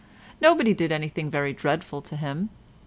Nobody did anything very dreadful to him.